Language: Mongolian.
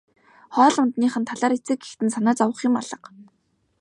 Хоол ундных нь талаар эцэг эхэд нь санаа зовох юм алга.